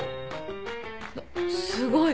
すごい。